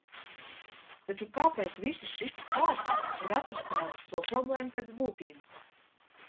Taču, kāpēc visas citas valstis ir atrisinājušas šo problēmu pēc būtības?